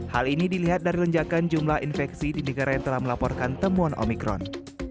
hal ini dilihat dari lonjakan jumlah infeksi di negara yang telah melaporkan temuan omikron